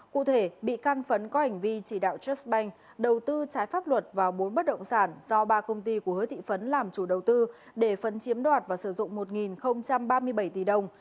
cụ thể bị can phấn có hành vi chỉ đạo trustbank đầu tư trái pháp luật vào bốn bất động sản do ba công ty của hứa thị phấn làm chủ đầu tư để phấn chiếm đoạt và sử dụng một ba mươi bảy tỷ đồng